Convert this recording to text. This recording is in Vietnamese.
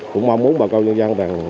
cũng mong muốn bà con nhân dân